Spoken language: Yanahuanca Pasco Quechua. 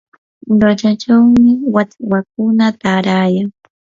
quchachawmi wachwakuna taarayan.